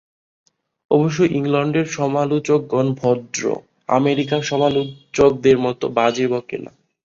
অবশ্য ইংলণ্ডের সমালোচকগণ ভদ্র, আমেরিকার সমালোচকদের মত বাজে বকে না।